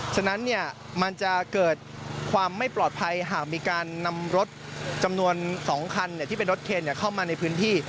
ฉะนั้นมันจะเกิดความไม่ปลอดภัยหากมีการนำรถจำนวน๒คันที่เป็นรถเคนเข้ามาในพื้นที่